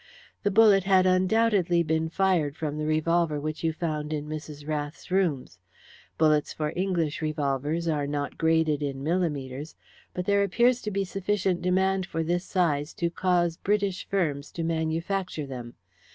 The bullet had undoubtedly been fired from the revolver which you found in Mrs. Rath's rooms. Bullets for English revolvers are not graded in millimetres, but there appears to be sufficient demand for this size to cause British firms to manufacture them.